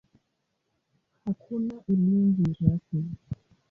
Hakuna ulinzi rasmi.